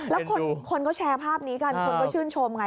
แล้วคนก็แชร์ภาพนี้กันคนก็ชื่นชมไง